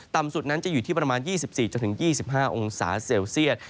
ต่ำสุดนั้นจะอยู่ที่ประมาณ๒๔๒๕องศาเซลเซียต